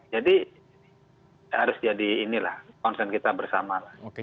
jadi harus jadi inilah konsen kita bersama lah